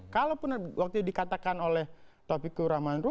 kalaupun waktu itu dikatakan oleh tpkor